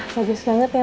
bagus banget ya